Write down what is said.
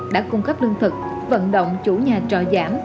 đã cung cấp lương thực vận động chủ nhà trọ giảm